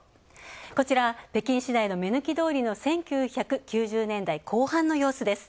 こちら、北京市内の目抜き通りの１９９０年代後半の様子です。